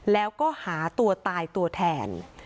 แล้วก็หาตัวตายตัวแทน